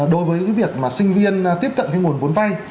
đối với những việc mà sinh viên tiếp cận cái nguồn vốn vay